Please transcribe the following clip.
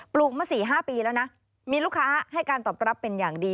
ลูกมา๔๕ปีแล้วนะมีลูกค้าให้การตอบรับเป็นอย่างดี